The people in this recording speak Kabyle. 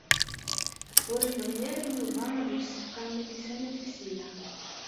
Ur yebɣi ara Yuba ad yessefqeɛ Milisa n At Ksila.